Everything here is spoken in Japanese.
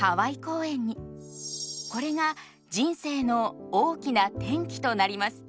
これが人生の大きな転機となります。